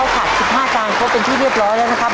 ผัด๑๕จานครบเป็นที่เรียบร้อยแล้วนะครับ